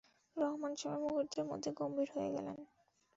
রহমান সাহেব মুহূর্তের মধ্যে গম্ভীর হয়ে গেলেন।